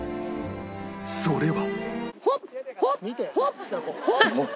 それは